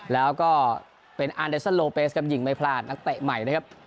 แล้วก็เป็นอาร์เดสเซอร์โลเปสกับหญิงไม่พลาดนักเตะใหม่นะครับ